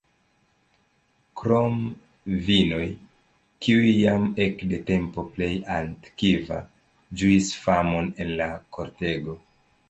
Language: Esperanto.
Krom vinoj, kiuj jam ekde tempo plej antikva ĝuis famon en la kortego.